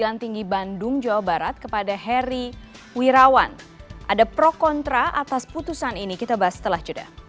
sama sama pak terima kasih